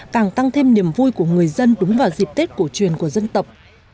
càng tăng thêm niềm vui của người dân đúng vào dịp tết cổ truyền của dân tộc